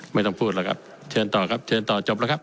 ไม่ต้องพูดแล้วครับเชิญต่อครับเชิญต่อจบแล้วครับ